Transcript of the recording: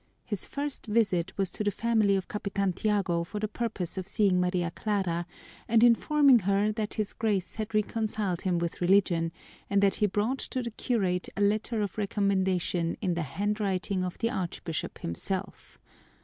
His first visit was to the family of Capitan Tiago for the purpose of seeing Maria Clara and informing her that his Grace had reconciled him with religion, and that he brought to the curate a letter of recommendation in the handwriting of the Archbishop himself.